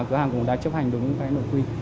cửa hàng cũng đã chấp hành đúng cái nội quy